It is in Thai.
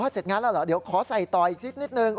เสร็จงานแล้วเหรอเดี๋ยวขอใส่ต่ออีกสักนิดนึง